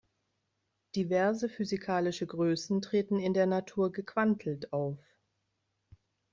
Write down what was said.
Diverse physikalische Größen treten in der Natur gequantelt auf.